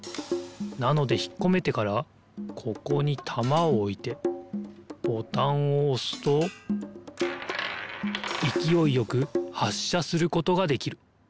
なのでひっこめてからここにたまをおいてボタンをおすといきおいよくはっしゃすることができる。